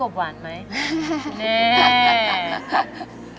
กลับมาเมื่อเวลาที่สุดท้าย